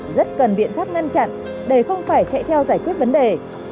rất cần biện pháp ngăn chặn để không phải chạy theo giải quyết vấn đề